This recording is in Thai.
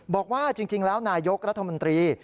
บอกว่าจริงแล้วนายกรัฐมนตรี